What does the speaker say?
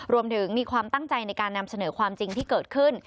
มีความตั้งใจในการนำเสนอความจริงที่เกิดขึ้น